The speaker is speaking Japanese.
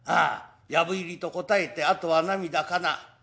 藪入りとこたえてあとは涙かな。